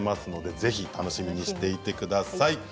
ぜひ楽しみにしてください。